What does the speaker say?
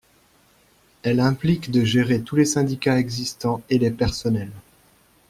Elle implique de gérer tous les syndicats existants et les personnels.